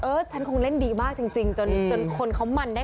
ฉันคงเล่นดีมากจริงจนคนเขามันได้